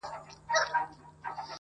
دا وزن دروند اُمي مُلا مات کړي.